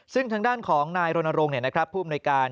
ซึ่งทางด้านของนายรณรงค์ผู้อำนวยการ